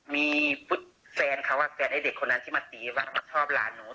มีแฟนเขาแฟนไอ้เด็กคนนั้นที่มาตีว่ามาชอบหลานหนู